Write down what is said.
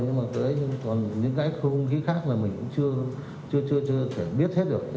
nhưng mà cái không gian khác là mình cũng chưa biết hết được